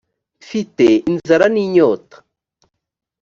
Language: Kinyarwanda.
mfite inzara n inyota